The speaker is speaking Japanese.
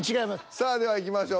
さあではいきましょう。